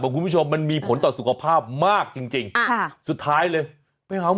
คุณผู้ชมมันมีผลต่อสุขภาพมากจริงจริงอ่าสุดท้ายเลยไปหาหมอ